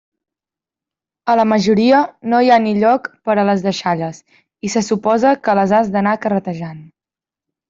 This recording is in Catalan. A la majoria, no hi ha ni lloc per a les deixalles i se suposa que les has d'anar carretejant.